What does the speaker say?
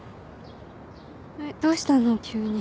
えっどうしたの急に。